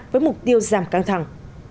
với mục tiêu giảm căng thẳng